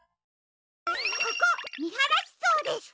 ここみはらしそうです！